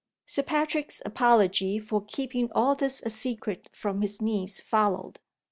Sir Patrick's apology for keeping all this a secret from his niece followed.